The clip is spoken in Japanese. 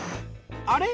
あれ？